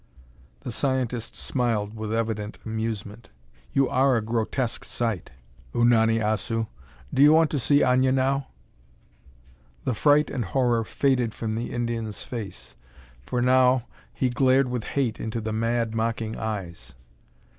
The scientist smiled with evident amusement. "You are a grotesque sight, Unani Assu. Do you want to see Aña now?" The fright and horror faded from the Indian's face, for now he glared with hate into the mad, mocking eyes.